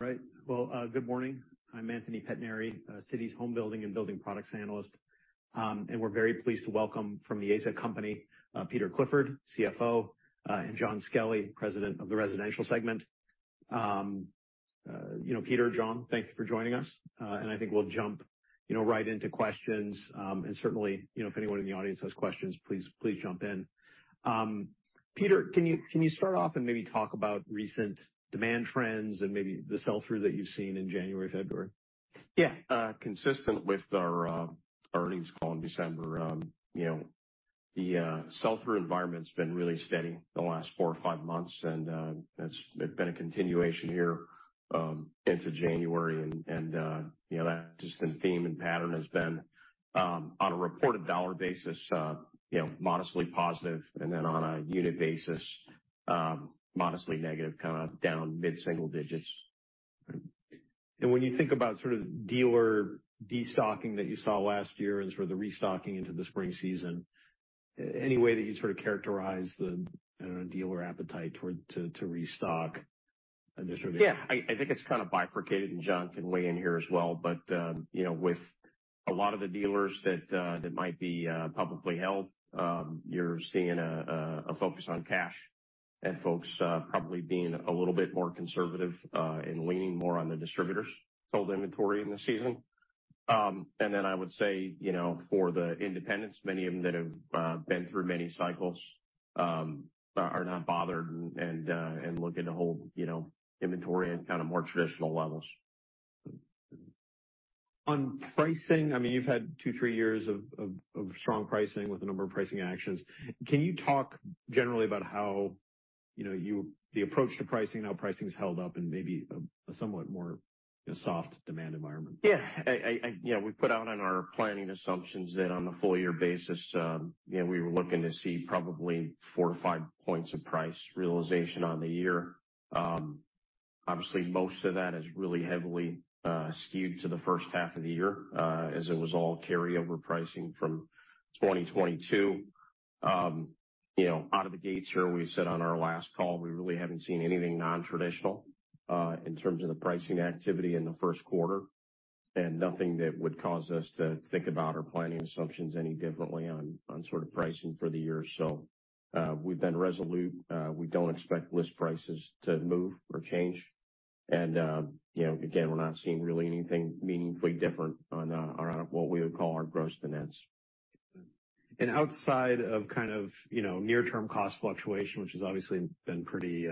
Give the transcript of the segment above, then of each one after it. Right. Well, good morning. I'm Anthony Pettinari, Citi's home building and building products analyst. We're very pleased to welcome from The AZEK Company, Peter Clifford, CFO, and Jon Skelly, President of the residential segment. You know, Peter, Jon, thank you for joining us. I think we'll jump, you know, right into questions. Certainly, you know, if anyone in the audience has questions, please jump in. Peter, can you start off and maybe talk about recent demand trends and maybe the sell-through that you've seen in January, February? Yeah. Consistent with our earnings call in December, you know, the sell-through environment's been really steady the last four or five months. It's been a continuation here into January. You know, that just in theme and pattern has been on a reported dollar basis, you know, modestly positive, and then on a unit basis, modestly negative, kind of down mid-single digits. When you think about sort of dealer destocking that you saw last year and sort of the restocking into the spring season, any way that you'd sort of characterize the, I don't know, dealer appetite to restock initially? Yeah. I think it's kind of bifurcated, and Jon can weigh in here as well. You know, with a lot of the dealers that might be publicly held, you're seeing a focus on cash and folks probably being a little bit more conservative and leaning more on the distributors' total inventory in the season. Then I would say, you know, for the independents, many of them that have been through many cycles, are not bothered and looking to hold, you know, inventory at kind of more traditional levels. On pricing, I mean, you've had two, three years of strong pricing with a number of pricing actions. Can you talk generally about how, you know, the approach to pricing and how pricing's held up in maybe a somewhat more, you know, soft demand environment? You know, we put out on our planning assumptions that on a full year basis, you know, we were looking to see probably four to five points of price realization on the year. Obviously, most of that is really heavily skewed to the first half of the year, as it was all carryover pricing from 2022. You know, out of the gates here, we said on our last call, we really haven't seen anything non-traditional in terms of the pricing activity in the first quarter, and nothing that would cause us to think about our planning assumptions any differently on sort of pricing for the year. We've been resolute. We don't expect list prices to move or change. You know, again, we're not seeing really anything meaningfully different on what we would call our gross margin. Outside of kind of, you know, near-term cost fluctuation, which has obviously been pretty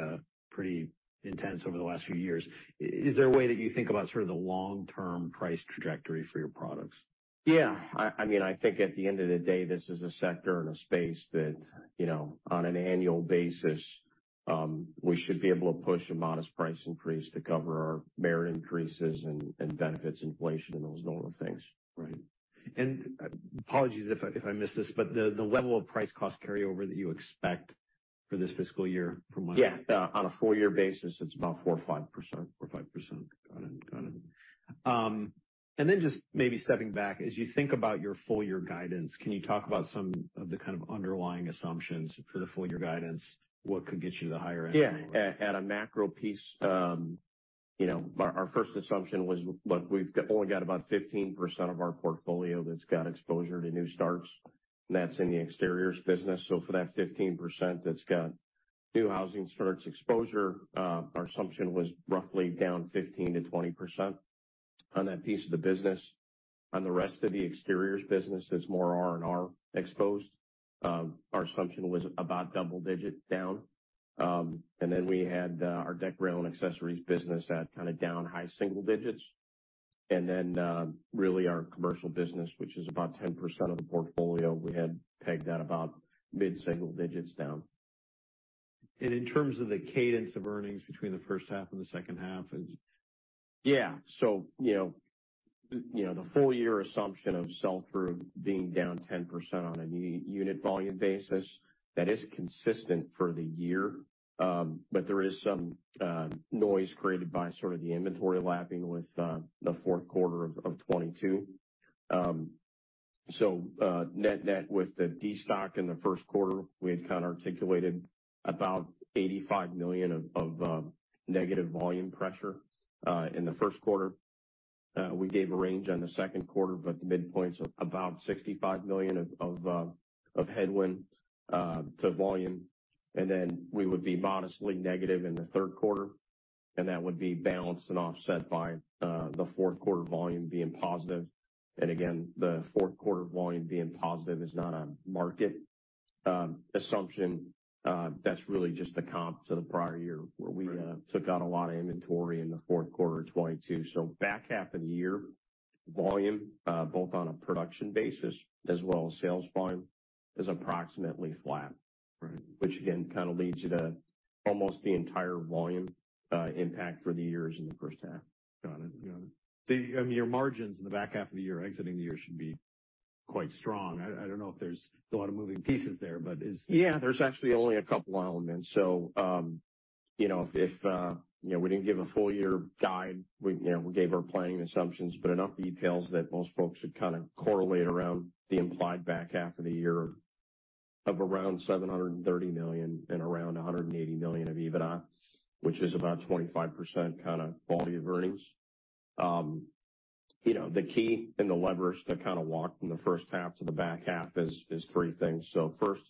intense over the last few years, is there a way that you think about sort of the long-term price trajectory for your products? Yeah. I mean, I think at the end of the day, this is a sector and a space that, you know, on an annual basis, we should be able to push a modest price increase to cover our merit increases and benefits inflation and those normal things. Right. Apologies if I missed this, but the level of price cost carryover that you expect for this fiscal year. Yeah. On a full year basis, it's about 4% or 5%. 4%, 5%. Got it. Got it. Then just maybe stepping back, as you think about your full year guidance, can you talk about some of the kind of underlying assumptions for the full year guidance? What could get you to the higher end? Yeah. At a macro piece, you know, our first assumption was, look, we've only got about 15% of our portfolio that's got exposure to new starts, and that's in the exteriors business. For that 15% that's got new housing starts exposure, our assumption was roughly down 15%-20% on that piece of the business. On the rest of the exteriors business is more R&R exposed. Our assumption was about double-digit down. Then we had our deck rail and accessories business at kind of down high single digits. Then, really our commercial business, which is about 10% of the portfolio, we had pegged at about mid-single digits down. In terms of the cadence of earnings between the first half and the second half is. Yeah. You know, the full year assumption of sell-through being down 10% on a uni- unit volume basis, that is consistent for the year. There is some noise created by sort of the inventory lapping with the fourth quarter of 2022. Net-net with the destock in the first quarter, we had kind of articulated about $85 million of negative volume pressure in the first quarter. We gave a range on the second quarter, the midpoint's about $65 million of headwind to volume. We would be modestly negative in the third quarter, that would be balanced and offset by the fourth quarter volume being positive. Again, the fourth quarter volume being positive is not a market assumption. That's really just the comp to the prior year where we took out a lot of inventory in the fourth quarter of 2022. Back half of the year volume, both on a production basis as well as sales volume, is approximately flat. Right. Again, kind of leads you to almost the entire volume, impact for the year is in the first half. Got it. Got it. The, your margins in the back half of the year exiting the year should be quite strong. I don't know if there's a lot of moving pieces there, but Yeah, there's actually only a couple elements. you know, if, you know, we didn't give a full year guide. We, you know, we gave our planning assumptions, but enough details that most folks would kind of correlate around the implied back half of the year of around $730 million and around $180 million of EBITDA, which is about 25% kind of quality of earnings. you know, the key and the levers to kind of walk from the first half to the back half is three things. first,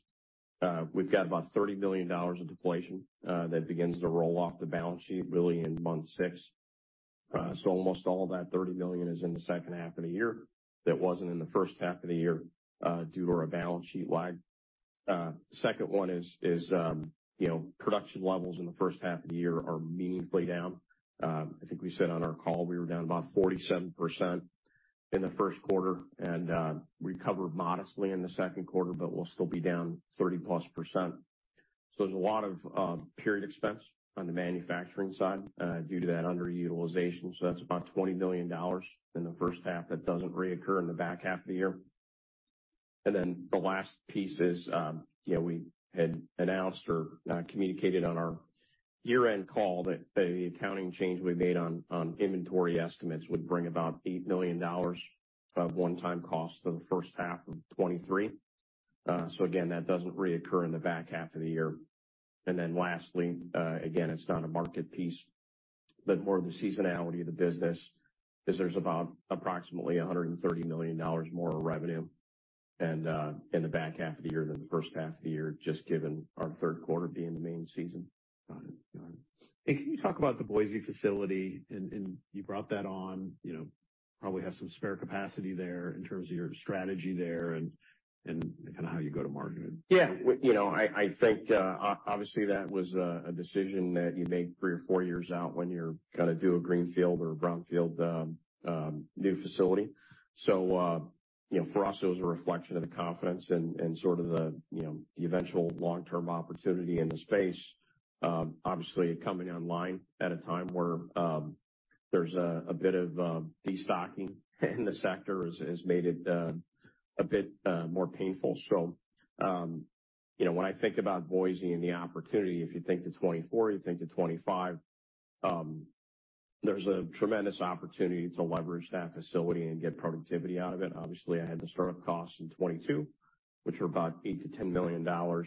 we've got about $30 million of deflation, that begins to roll off the balance sheet really in month six. Almost all of that $30 billion is in the second half of the year that wasn't in the first half of the year, due to our balance sheet lag. Second one is, you know, production levels in the first half of the year are meaningfully down. I think we said on our call we were down about 47% in the first quarter and recovered modestly in the second quarter, but we'll still be down 30%+. There's a lot of period expense on the manufacturing side, due to that underutilization. That's about $20 million in the first half that doesn't reoccur in the back half of the year. The last piece is, you know, we had announced or communicated on our year-end call that the accounting change we made on inventory estimates would bring about $8 million of one-time cost in the first half of 2023. Again, that doesn't reoccur in the back half of the year. Lastly, again, it's not a market piece, but more of the seasonality of the business is there's about approximately $130 million more of revenue and in the back half of the year than the first half of the year, just given our third quarter being the main season. Got it. Got it. Can you talk about the Boise facility and you brought that on, you know, probably have some spare capacity there in terms of your strategy there and kind of how you go to market? Yeah. You know, I think, obviously that was a decision that you make three or four years out when you're gonna do a greenfield or a brownfield, new facility. You know, for us it was a reflection of the confidence and sort of the, you know, the eventual long-term opportunity in the space. Obviously it coming online at a time where there's a bit of destocking in the sector has made it a bit more painful. You know, when I think about Boise and the opportunity, if you think to 2024, you think to 2025, there's a tremendous opportunity to leverage that facility and get productivity out of it. Obviously, I had the start-up costs in 2022, which were about $8 million-$10 million,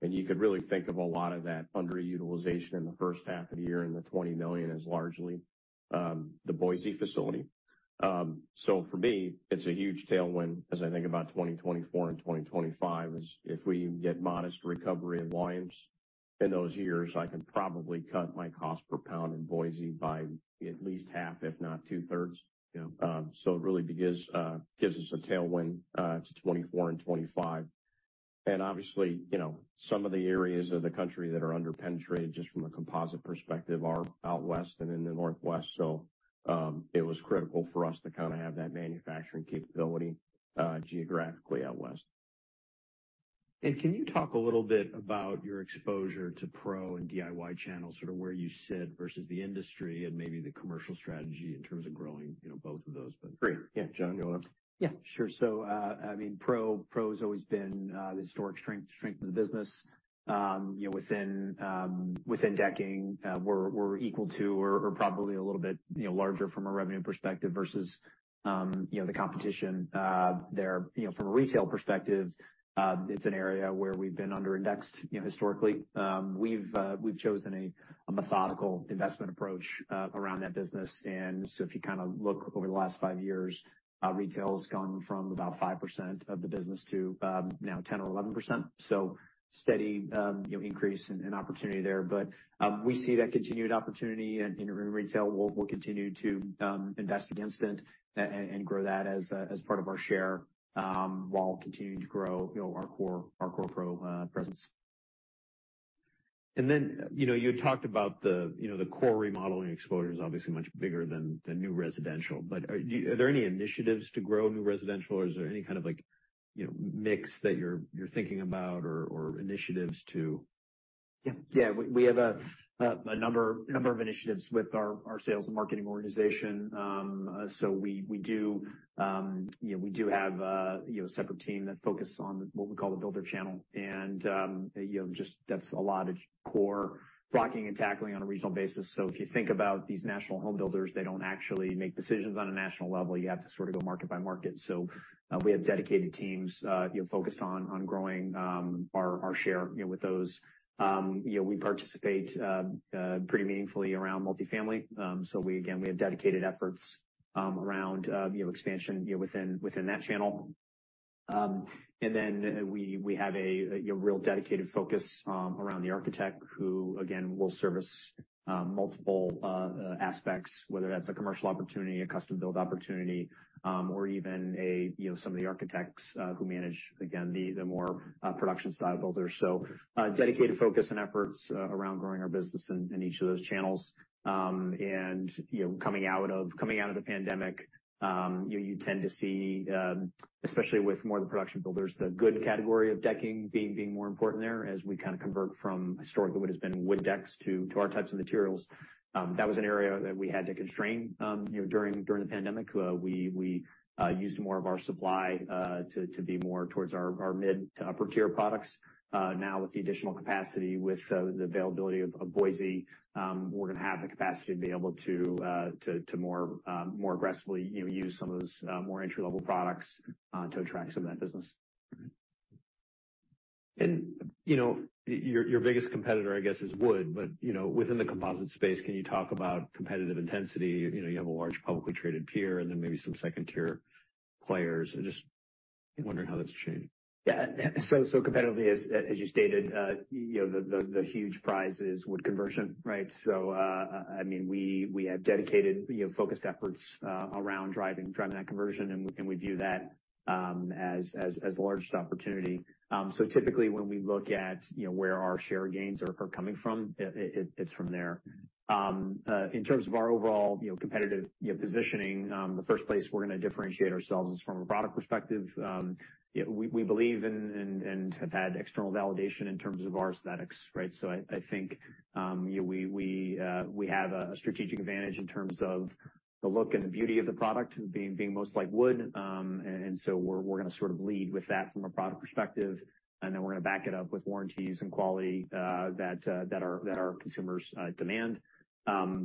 and you could really think of a lot of that underutilization in the first half of the year and the $20 million is largely, the Boise facility. For me, it's a huge tailwind as I think about 2024 and 2025 is if we get modest recovery in volumes in those years, I can probably cut my cost per pound in Boise by at least half, if not two-thirds. Yeah. It really gives us a tailwind to 2024 and 2025. Obviously, you know, some of the areas of the country that are under-penetrated just from a composite perspective are out west and in the northwest. It was critical for us to kinda have that manufacturing capability geographically out west. Can you talk a little bit about your exposure to pro and DIY channels, sort of where you sit versus the industry and maybe the commercial strategy in terms of growing, you know, both of those? Great. Yeah. Jon, you wanna? Yeah, sure. I mean, pro's always been the historic strength of the business. You know, within decking, we're equal to or probably a little bit, you know, larger from a revenue perspective versus, you know, the competition. There, you know, from a retail perspective, it's an area where we've been under-indexed, you know, historically. We've chosen a methodical investment approach around that business. If you kinda look over the last five years, retail's gone from about 5% of the business to now 10% or 11%. Steady, you know, increase in opportunity there. We see that continued opportunity in retail. We'll continue to invest against it and grow that as part of our share, while continuing to grow, you know, our core presence. you know, you had talked about the, you know, the core remodeling exposure is obviously much bigger than new residential. Are there any initiatives to grow new residential or is there any kind of like, you know, mix that you're thinking about or initiatives to? Yeah. Yeah. We have a number of initiatives with our sales and marketing organization. We do, you know, we do have, you know, a separate team that focuses on what we call the builder channel. You know, just that's a lot of core blocking and tackling on a regional basis. If you think about these national home builders, they don't actually make decisions on a national level. You have to sort of go market by market. We have dedicated teams, you know, focused on growing our share, you know, with those. You know, we participate pretty meaningfully around multifamily. We again, we have dedicated efforts around, you know, expansion, you know, within that channel. We have a real dedicated focus around the architect who, again, will service multiple aspects, whether that's a commercial opportunity, a custom build opportunity, or even a, you know, some of the architects who manage, again, the more production-style builders. Dedicated focus and efforts around growing our business in each of those channels. You know, coming out of the pandemic, you tend to see, especially with more of the production builders, the good category of decking being more important there as we kinda convert from historically what has been wood decks to our types of materials. That was an area that we had to constrain, you know, during the pandemic. We used more of our supply to be more towards our mid to upper tier products. Now with the additional capacity, with the availability of Boise, we're gonna have the capacity to be able to more aggressively, you know, use some of those more entry-level products to attract some of that business. You know, your biggest competitor I guess, is wood, but, you know, within the composite space, can you talk about competitive intensity? You know, you have a large publicly traded peer, and then maybe some second-tier players. I'm just wondering how that's changed. Competitively, as you stated, you know, the huge prize is wood conversion, right? I mean, we have dedicated, you know, focused efforts around driving that conversion, and we view that as the largest opportunity. Typically when we look at, you know, where our share gains are coming from, it's from there. In terms of our overall, you know, competitive, you know, positioning, the first place we're gonna differentiate ourselves is from a product perspective. We believe and have had external validation in terms of our aesthetics, right? I think, you know, we have a strategic advantage in terms of the look and the beauty of the product being most like wood. We're gonna sort of lead with that from a product perspective, and then we're gonna back it up with warranties and quality that our consumers demand.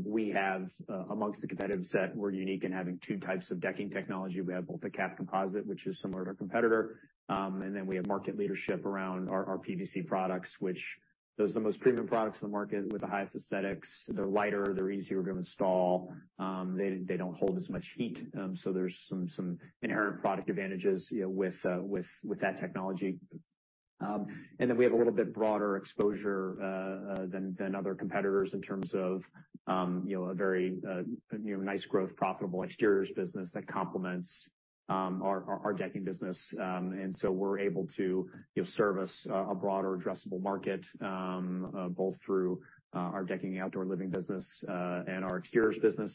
We have amongst the competitive set, we're unique in having two types of decking technology. We have both the capped composite, which is similar to our competitor, and then we have market leadership around our PVC products, which those are the most premium products in the market with the highest aesthetics. They're lighter, they're easier to install, they don't hold as much heat. There's some inherent product advantages, you know, with that technology. We have a little bit broader exposure than other competitors in terms of, you know, a very, you know, nice growth profitable exteriors business that complements our decking business. We're able to, you know, service a broader addressable market both through our decking outdoor living business and our exteriors business.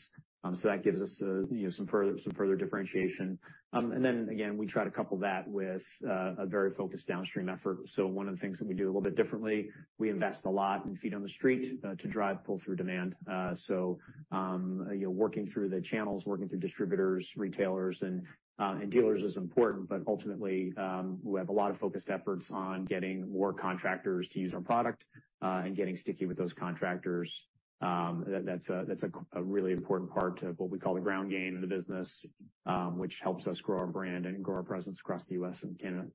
That gives us a, you know, further differentiation. Again, we try to couple that with a very focused downstream effort. One of the things that we do a little bit differently, we invest a lot in feet on the street to drive pull-through demand. You know, working through the channels, working through distributors, retailers and dealers is important. Ultimately, we have a lot of focused efforts on getting more contractors to use our product and getting sticky with those contractors. That's a really important part to what we call the ground game in the business, which helps us grow our brand and grow our presence across the U.S. and Canada.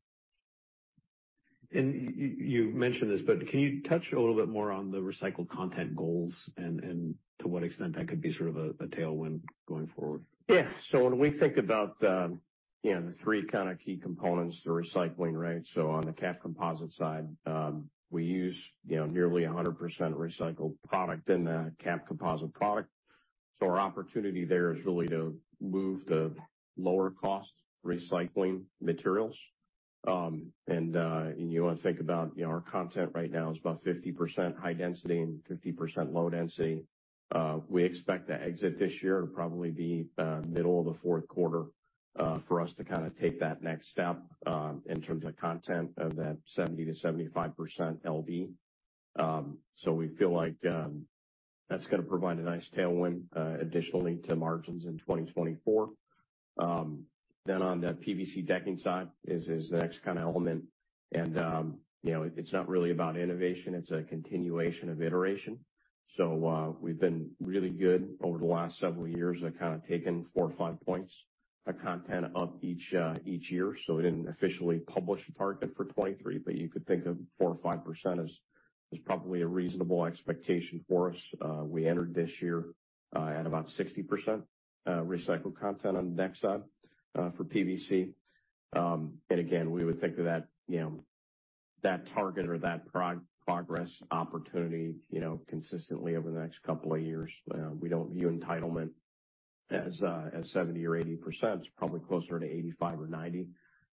You mentioned this, but can you touch a little bit more on the recycled content goals and to what extent that could be sort of a tailwind going forward? Yeah. When we think about, you know, the three kinda key components to recycling, right? On the capped composite side, we use, you know, nearly 100% recycled product in the capped composite product. Our opportunity there is really to move to lower cost recycling materials. You wanna think about, you know, our content right now is about 50% high density and 50% low density. We expect to exit this year to probably be middle of the fourth quarter, for us to kinda take that next step, in terms of content of that 70%-75% LD. We feel like, that's gonna provide a nice tailwind, additionally to margins in 2024. On the PVC decking side is the next kinda element. You know, it's not really about innovation, it's a continuation of iteration. We've been really good over the last several years at kinda taking four or five points of content up each year. We didn't officially publish a target for 2023, but you could think of 4% or 5% as probably a reasonable expectation for us. We entered this year at about 60% recycled content on the deck side for PVC. Again, we would think of that, you know, that target or that progress opportunity, you know, consistently over the next couple of years. We don't view entitlement as 70% or 80%. It's probably closer to 85% or 90%,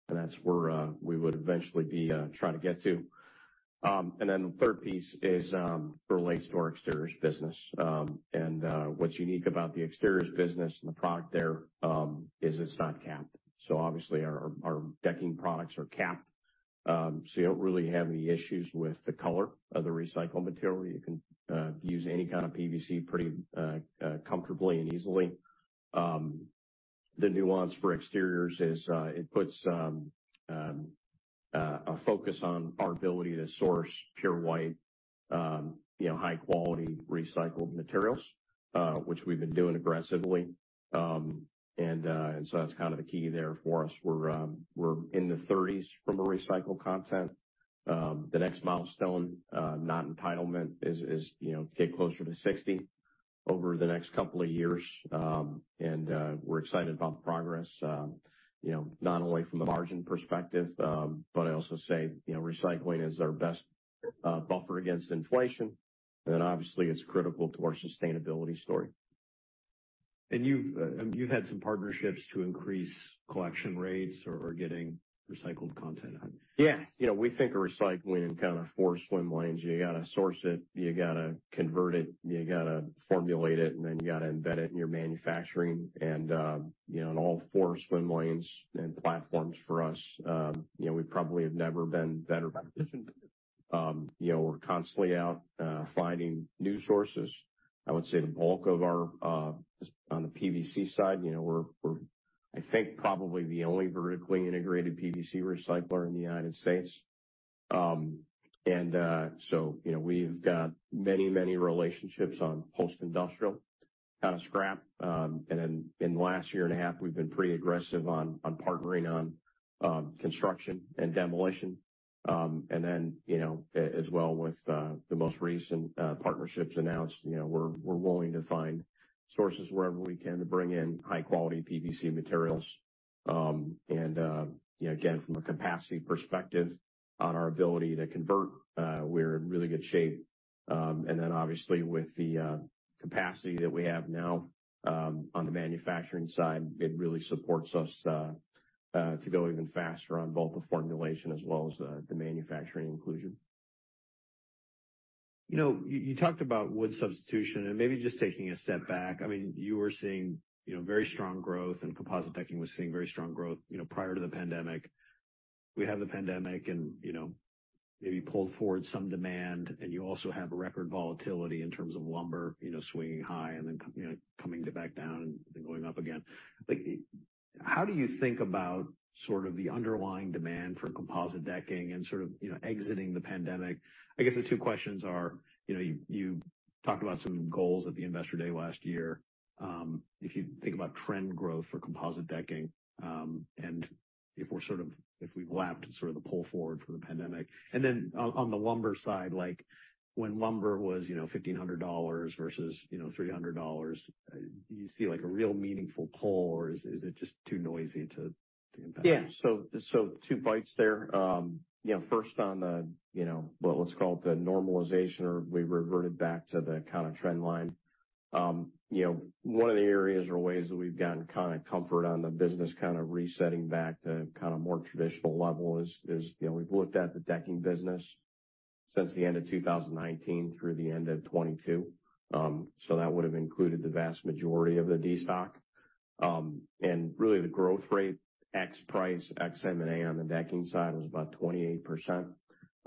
and that's where we would eventually be trying to get to. Then the third piece is relates to our exteriors business. What's unique about the exteriors business and the product there is it's not capped. Obviously our decking products are capped. You don't really have any issues with the color of the recycled material. You can use any kind of PVC pretty comfortably and easily. The nuance for exteriors is it puts a focus on our ability to source pure white, you know, high quality recycled materials, which we've been doing aggressively. That's kind of the key there for us. We're in the 30s from a recycled content. The next milestone, not entitlement is, you know, get closer to 60 over the next couple of years. We're excited about the progress, you know, not only from the margin perspective, but I also say, you know, recycling is our best buffer against inflation. Obviously, it's critical to our sustainability story. you've had some partnerships to increase collection rates or getting recycled content. Yeah. You know, we think of recycling in kinda four swim lanes. You gotta source it, you gotta convert it, you gotta formulate it, and then you gotta embed it in your manufacturing. You know, in all four swim lanes and platforms for us, you know, we probably have never been better positioned. You know, we're constantly out finding new sources. I would say the bulk of our on the PVC side, you know, we're I think probably the only vertically integrated PVC recycler in the United States. So you know, we've got many, many relationships on post-industrial kind of scrap. In the last year and a half, we've been pretty aggressive on partnering on construction and demolition. You know, as well with the most recent partnerships announced, we're willing to find sources wherever we can to bring in high-quality PVC materials. You know, again, from a capacity perspective on our ability to convert, we're in really good shape. Obviously with the capacity that we have now on the manufacturing side, it really supports us to go even faster on both the formulation as well as the manufacturing inclusion. You know, you talked about wood substitution and maybe just taking a step back. I mean, you were seeing, you know, very strong growth and composite decking was seeing very strong growth, you know, prior to the pandemic. We had the pandemic and, you know, maybe pulled forward some demand, and you also have a record volatility in terms of lumber, you know, swinging high and then coming to back down and then going up again. Like, how do you think about sort of the underlying demand for composite decking and sort of, you know, exiting the pandemic? I guess the two questions are, you know, you talked about some goals at the Investor Day last year. If you think about trend growth for composite decking, and if we're sort of if we've lapped sort of the pull forward for the pandemic. On the lumber side, like when lumber was, you know, $1,500 versus, you know, $300, do you see like a real meaningful pull or is it just too noisy to impact? Yeah. Two bites there. You know, first on the, you know, well, let's call it the normalization or we reverted back to the kinda trend line. You know, one of the areas or ways that we've gotten kinda comfort on the business kind of resetting back to kind of more traditional level is, you know, we've looked at the decking business since the end of 2019 through the end of 2022. That would've included the vast majority of the destock. Really the growth rate, ex price, ex M&A on the decking side was about 28%.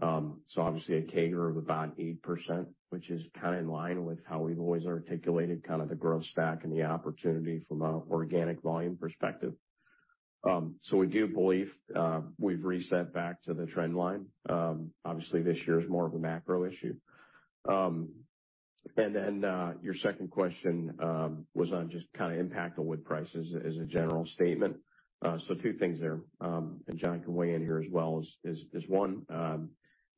Obviously a CAGR of about 8%, which is kinda in line with how we've always articulated kind of the growth stack and the opportunity from an organic volume perspective. We do believe we've reset back to the trend line. Obviously this year is more of a macro issue. Your second question was on just kind of impact of wood prices as a general statement. Two things there, and Jon can weigh in here as well is one,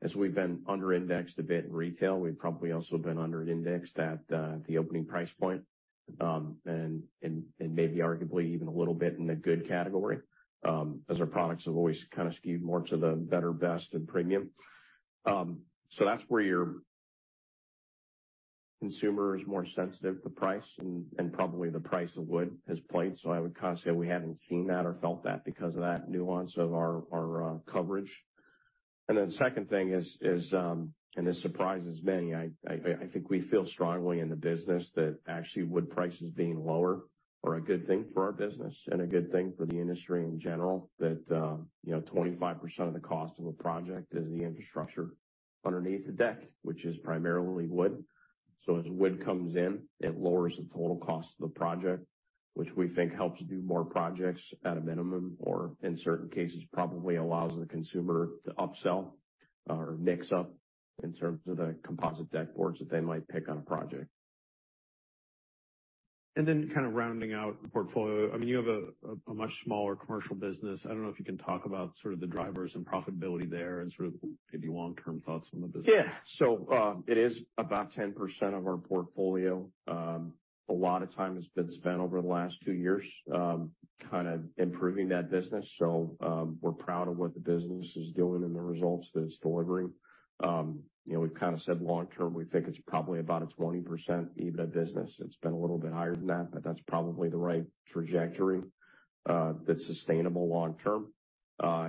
as we've been under indexed a bit in retail, we've probably also been under indexed at the opening price point. Maybe arguably even a little bit in the good category, as our products have always kind of skewed more to the better, best and premium. That's where your consumer is more sensitive to price and probably the price of wood has played. I would kind of say we haven't seen that or felt that because of that nuance of our coverage. Second thing is, and this surprises many, I think we feel strongly in the business that actually wood prices being lower are a good thing for our business and a good thing for the industry in general that, you know, 25% of the cost of a project is the infrastructure underneath the deck, which is primarily wood. As wood comes in, it lowers the total cost of the project, which we think helps do more projects at a minimum or in certain cases probably allows the consumer to upsell or mix up in terms of the composite deck boards that they might pick on a project. Kind of rounding out the portfolio. I mean, you have a much smaller commercial business. I don't know if you can talk about sort of the drivers and profitability there and sort of maybe long-term thoughts on the business? It is about 10% of our portfolio. A lot of time has been spent over the last two years, kind of improving that business. We're proud of what the business is doing and the results that it's delivering. You know, we've kind of said long-term, we think it's probably about a 20% EBITDA business. It's been a little bit higher than that, but that's probably the right trajectory that's sustainable long-term.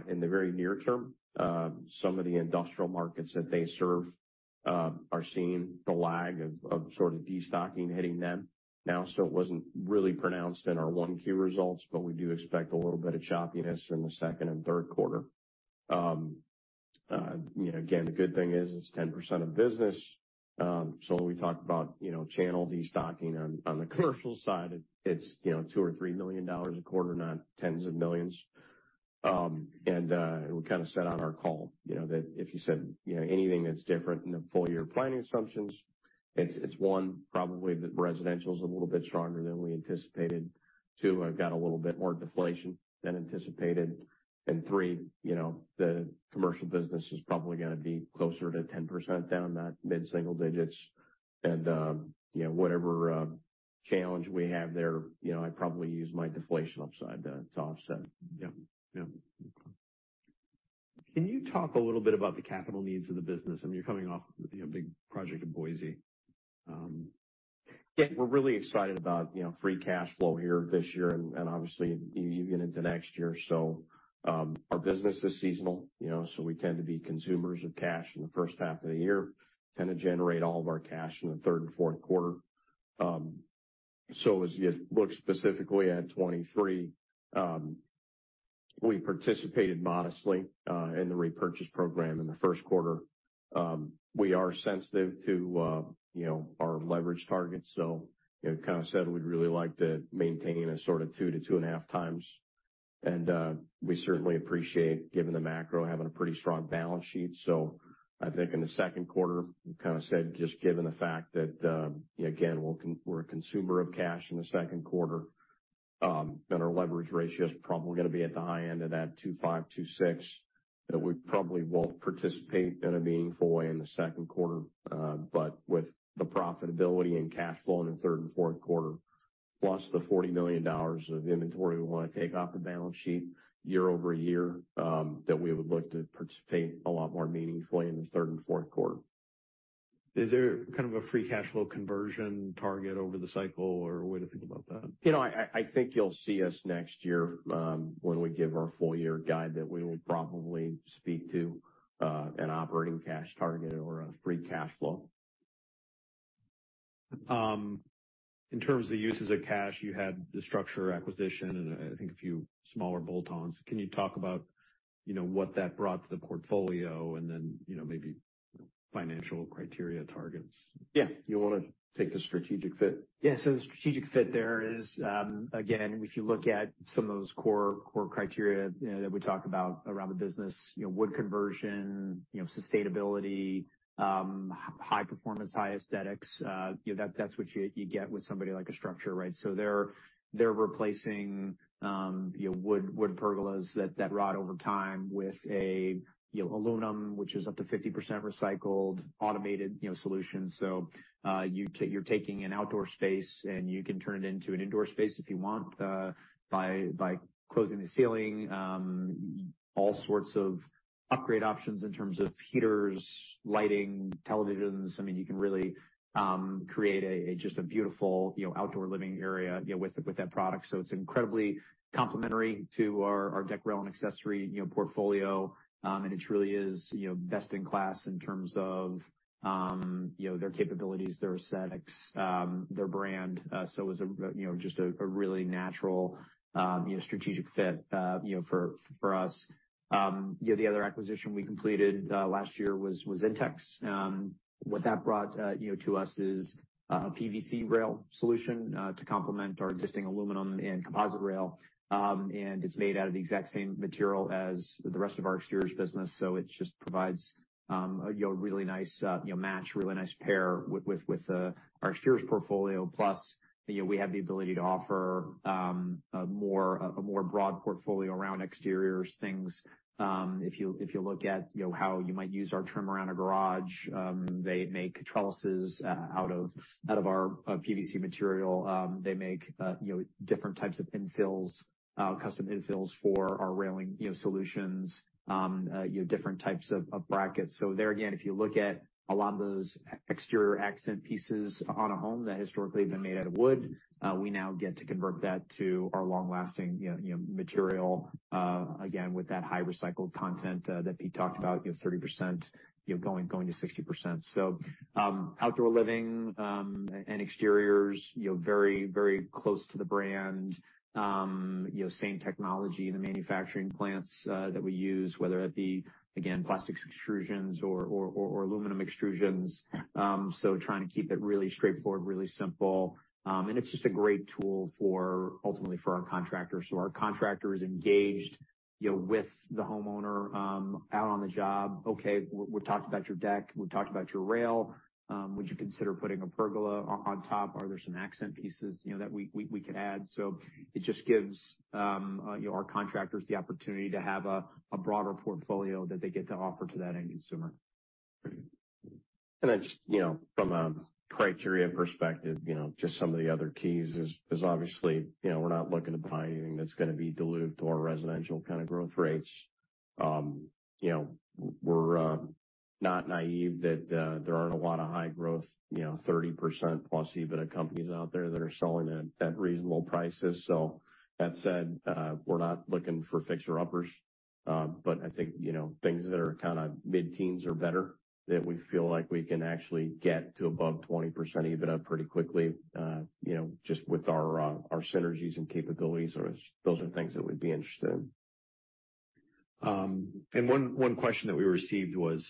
In the very near-term, some of the industrial markets that they serve are seeing the lag of sort of destocking hitting them now. It wasn't really pronounced in our 1Q results, but we do expect a little bit of choppiness in the second and third quarter. You know, again, the good thing is it's 10% of business. When we talk about, you know, channel destocking on the commercial side, it's, you know, $2 million or $3 million a quarter, not tens of millions. We kinda said on our call, you know, that if you said, you know, anything that's different in the full year planning assumptions, it's one, probably the residential's a little bit stronger than we anticipated. Two, I've got a little bit more deflation than anticipated. Three, you know, the commercial business is probably gonna be closer to 10% down, not mid-single digits. Whatever, you know, challenge we have there, you know, I'd probably use my deflation upside to offset. Yeah. Yeah. Can you talk a little bit about the capital needs of the business? I mean, you're coming off, you know, a big project in Boise. Yeah. We're really excited about, you know, free cash flow here this year and obviously even into next year. Our business is seasonal, you know, so we tend to be consumers of cash in the first half of the year, tend to generate all of our cash in the third and fourth quarter. As you look specifically at 23, we participated modestly in the repurchase program in the first quarter. We are sensitive to, you know, our leverage targets. You know, kind of said we'd really like to maintain a sort of two to 2.5 times. We certainly appreciate giving the macro, having a pretty strong balance sheet. I think in the second quarter, we kind of said just given the fact that, again, we're a consumer of cash in the second quarter, and our leverage ratio is probably gonna be at the high end of that 2.5, 2.6, that we probably won't participate in a meaningful way in the second quarter. With the profitability and cash flow in the third and fourth quarter, plus the $40 million of inventory we wanna take off the balance sheet year-over-year, that we would look to participate a lot more meaningfully in the third and fourth quarter. Is there kind of a free cash flow conversion target over the cycle or a way to think about that? You know, I think you'll see us next year, when we give our full year guide, that we will probably speak to an operating cash target or a free cash flow. In terms of the uses of cash, you had the StruXure acquisition and I think a few smaller bolt-ons. Can you talk about, you know, what that brought to the portfolio and then, you know, maybe financial criteria targets? Yeah. You wanna take the strategic fit? The strategic fit there is again, if you look at some of those core criteria, you know, that we talk about around the business. You know, wood conversion, you know, sustainability, high performance, high aesthetics, you know, that's what you get with somebody like a StruXure, right? They're, they're replacing, you know, wood pergolas that rot over time with a, you know, aluminum which is up to 50% recycled automated, you know, solution. you're taking an outdoor space, and you can turn it into an indoor space if you want, by closing the ceiling. All sorts of upgrade options in terms of heaters, lighting, televisions. I mean, you can really create a, just a beautiful, you know, outdoor living area, you know, with that product. It's incredibly complementary to our deck rail and accessory, you know, portfolio. It really is, you know, best in class in terms of, you know, their capabilities, their aesthetics, their brand. It was a, you know, just a really natural, you know, strategic fit, you know, for us. You know, the other acquisition we completed last year was INTEX. What that brought, you know, to us is a PVC rail solution, to complement our existing aluminum and composite rail. It's made out of the exact same material as the rest of our exteriors business. It just provides, you know, a really nice, you know, match, really nice pair with our exteriors portfolio. You know, we have the ability to offer a more broad portfolio around exteriors things. If you look at, you know, how you might use our trim around a garage, they make trellises out of our PVC material. They make, you know, different types of infills, custom infills for our railing, you know, solutions, you know, different types of brackets. There again, if you look at a lot of those exterior accent pieces on a home that historically have been made out of wood, we now get to convert that to our long lasting, you know, material, again, with that high recycled content that Pete talked about, you know, 30%, you know, going to 60%. Outdoor living and exteriors, you know, very, very close to the brand. You know, same technology in the manufacturing plants that we use, whether that be, again, plastics extrusions or aluminum extrusions. Trying to keep it really straightforward, really simple. It's just a great tool for ultimately for our contractors. Our contractor is engaged, you know, with the homeowner, out on the job. Okay, we've talked about your deck, we've talked about your rail. Would you consider putting a pergola on top? Are there some accent pieces, you know, that we could add? It just gives, you know, our contractors the opportunity to have a broader portfolio that they get to offer to that end consumer. Just, you know, from a criteria perspective, you know, just some of the other keys is obviously, you know, we're not looking to buy anything that's gonna be dilute to our residential kind of growth rates. You know, we're not naive that there aren't a lot of high growth, you know, 30% plus EBITDA companies out there that are selling at reasonable prices. That said, we're not looking for fixer uppers. I think, you know, things that are kinda mid-teens or better that we feel like we can actually get to above 20% EBITDA pretty quickly, you know, just with our our synergies and capabilities. Those are things that we'd be interested in. One question that we received was,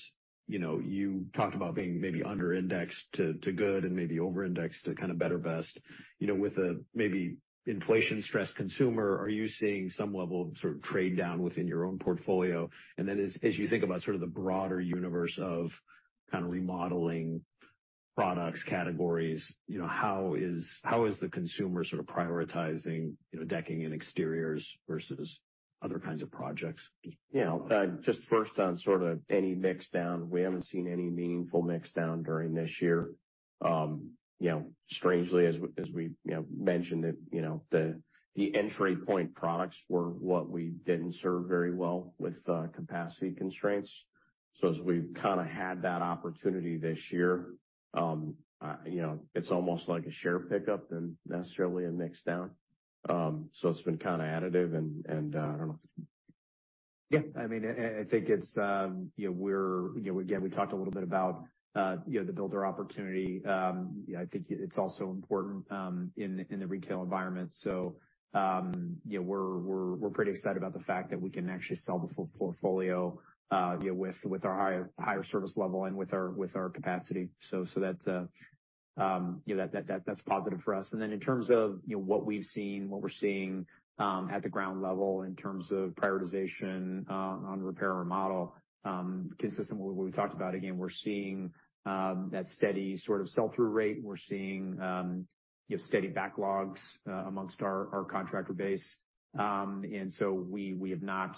you know, you talked about being maybe under-indexed to good and maybe over-indexed to kind of better best. You know, with a maybe inflation stressed consumer, are you seeing some level of sort of trade down within your own portfolio? Then as you think about sort of the broader universe of kinda remodeling products, categories, you know, how is the consumer sort of prioritizing, you know, decking and exteriors versus other kinds of projects? Yeah. Just first on sort of any mix down, we haven't seen any meaningful mix down during this year. You know, strangely, as we, you know, mentioned it, you know, the entry point products were what we didn't serve very well with capacity constraints. As we've kinda had that opportunity this year, you know, it's almost like a share pickup than necessarily a mix down. It's been kinda additive. I mean, and I think it's, you know, we're You know, again, we talked a little bit about, you know, the builder opportunity. You know, I think it's also important in the retail environment. We're pretty excited about the fact that we can actually sell the full portfolio, you know, with our higher service level and with our capacity. That, you know, that's positive for us. In terms of, you know, what we've seen, what we're seeing at the ground level in terms of prioritization on repair or remodel, consistent with what we talked about, again, we're seeing that steady sort of sell-through rate. We're seeing, you know, steady backlogs amongst our contractor base. We have not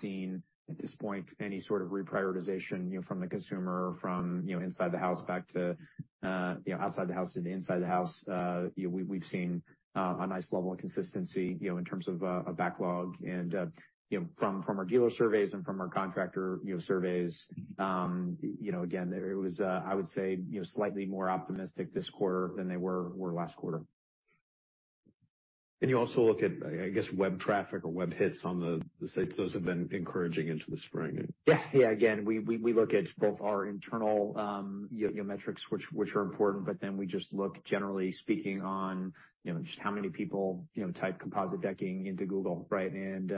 seen at this point any sort of reprioritization, you know, from the consumer from, you know, inside the house back to, you know, outside the house to the inside of the house. You know, we've seen, a nice level of consistency, you know, in terms of, a backlog and, you know, from our dealer surveys and from our contractor, you know, surveys, you know, again, it was, I would say, you know, slightly more optimistic this quarter than they were last quarter. You also look at, I guess web traffic or web hits on the site. Those have been encouraging into the spring. Yeah. Again, we look at both our internal, you know, metrics which are important, but then we just look generally speaking on, you know, just how many people, you know, type composite decking into Google, right? And, you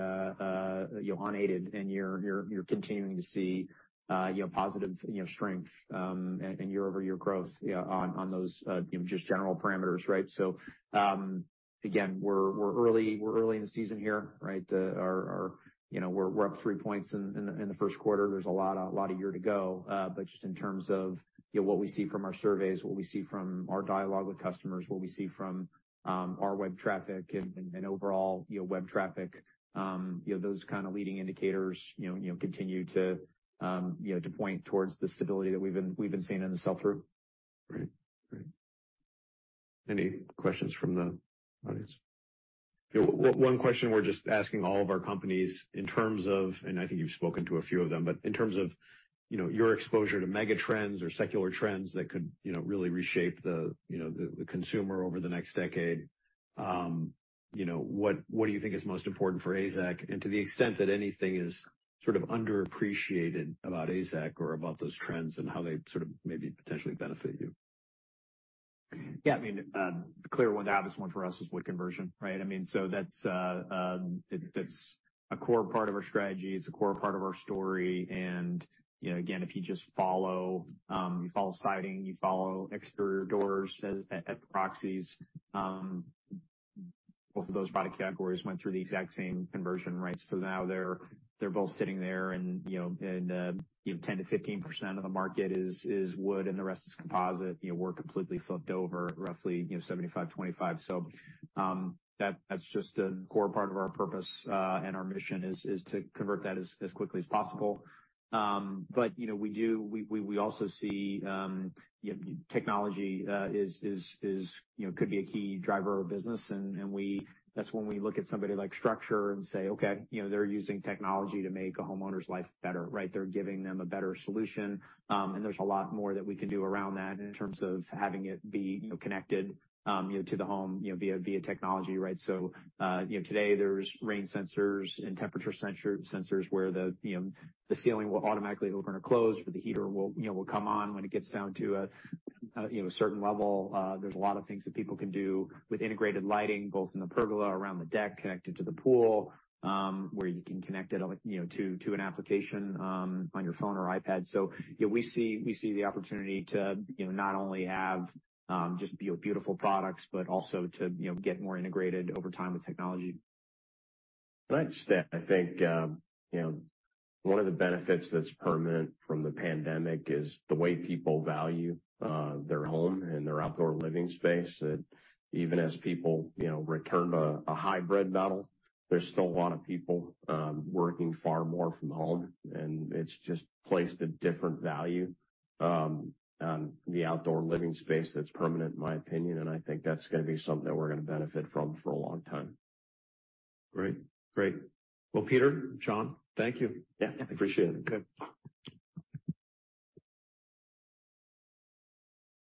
know, unaided and you're continuing to see, you know, positive, you know, strength, and year-over-year growth, you know, on those, you know, just general parameters, right? So, again, we're early, we're early in the season here, right? You know, we're up three points in the first quarter. There's a lot of year to go. Just in terms of, you know, what we see from our surveys, what we see from our dialogue with customers, what we see from, our web traffic and overall, you know, web traffic, you know, those kind of leading indicators, you know, continue to, you know, to point towards the stability that we've been seeing in the sell-through. Great. Any questions from the audience? One question we're just asking all of our companies in terms of, and I think you've spoken to a few of them, but in terms of, you know, your exposure to mega trends or secular trends that could, you know, really reshape the, you know, the consumer over the next decade, you know, what do you think is most important for AZEK? To the extent that anything is sort of underappreciated about AZEK or about those trends and how they sort of maybe potentially benefit you. Yeah. I mean, the clear one, the obvious one for us is wood conversion, right? I mean, that's a core part of our strategy. It's a core part of our story. You know, again, if you just follow, you follow siding, you follow exterior doors as fiberglass, both of those product categories went through the exact same conversion rates. Now they're both sitting there and, you know, and, you know, 10%-15% of the market is wood and the rest is composite. You know, we're completely flipped over roughly, you know, 75%, 25%. That's just a core part of our purpose and our mission is to convert that as quickly as possible. You know, we do we also see, you know, technology is, you know, could be a key driver of business. That's when we look at somebody like StruXure and say, "Okay, you know, they're using technology to make a homeowner's life better," right? They're giving them a better solution. And there's a lot more that we can do around that in terms of having it be, you know, connected, you know, to the home, you know, via technology, right? Today there's rain sensors and temperature sensors where the, you know, the ceiling will automatically open or close, or the heater will, you know, will come on when it gets down to a, you know, a certain level. There's a lot of things that people can do with integrated lighting, both in the pergola around the deck, connected to the pool, where you can connect it, like, you know, to an application, on your phone or iPad. You know, we see, we see the opportunity to, you know, not only have, just beautiful products, but also to, you know, get more integrated over time with technology. Can I just add, I think, you know, one of the benefits that's permanent from the pandemic is the way people value their home and their outdoor living space. Even as people, you know, return to a hybrid model, there's still a lot of people working far more from home, and it's just placed a different value on the outdoor living space that's permanent, in my opinion, and I think that's gonna be something that we're gonna benefit from for a long time. Great. Great. Well, Peter, Jon, thank you. Yeah. Yeah. Appreciate it. Okay.